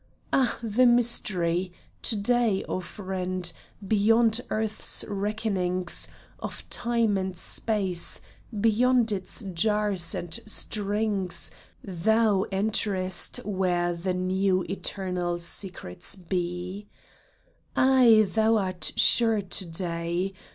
Ah, the mystery ! To day, O friend, beyond earth's reckonings Of time and space, beyond its jars and stings, Thou enterest where the eternal secrets be ! Ay, thou art sure to day